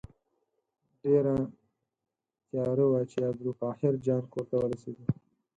ډېره تیاره وه چې عبدالقاهر جان کور ته ورسېدو.